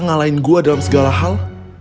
ngalahin gue dalam segala hal